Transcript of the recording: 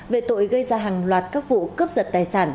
về tội gây ra hàng loạt các vụ cướp giật tài sản